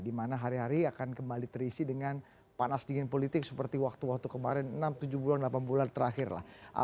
dimana hari hari akan kembali terisi dengan panas dingin politik seperti waktu waktu kemarin enam tujuh bulan delapan bulan terakhir lah